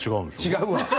違うわ！